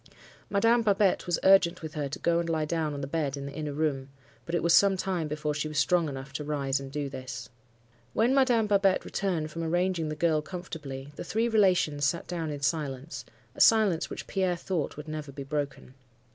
Madame Babette was urgent with her to go and lie down on the bed in the inner room; but it was some time before she was strong enough to rise and do this. "When Madame Babette returned from arranging the girl comfortably, the three relations sat down in silence; a silence which Pierre thought would never be broken.